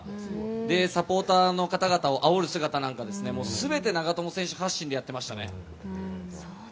サポーターの方々をあおる姿など全て長友選手発信でやっていましたね。